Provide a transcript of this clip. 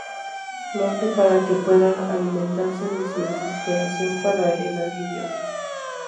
Lo hace, para que pueda alimentarse de su "desesperación" para el alivio.